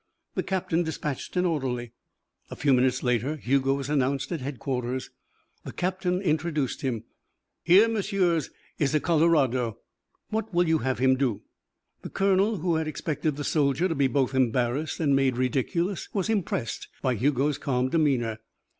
The captain dispatched an orderly. A few minutes later, Hugo was announced at headquarters. The captain introduced him. "Here, messieurs, is a Colorado. What will you have him do?" The colonel, who had expected the soldier to be both embarrassed and made ridiculous, was impressed by Hugo's calm demeanour.